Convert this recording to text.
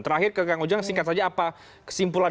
terakhir ke kang ujang singkat saja apa kesimpulan